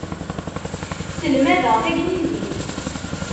Selmadeɣ tagnizit.